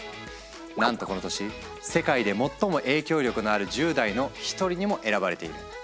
なんとこの年「世界で最も影響力のある１０代」の一人にも選ばれている。